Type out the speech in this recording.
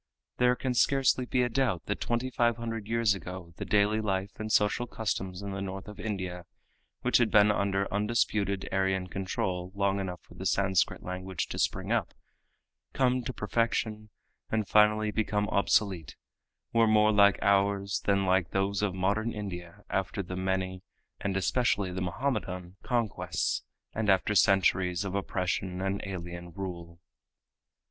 There can scarcely be a doubt that twenty five hundred years ago the daily life and social customs in the north of India, which had been under undisputed Aryan control long enough for the Sanscrit language to spring up, come to perfection and finally become obsolete, were more like ours than like those of modern India after the, many and especially the Mohammedan conquests and after centuries of oppression and alien rule.